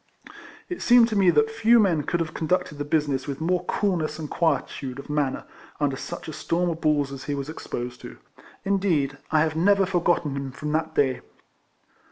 It seemed to me that few men could have conducted the business with more coolness and quietude of manner, under such a storn^ of balls as he was exposed to. Indeed, I have never forgotten him from that day.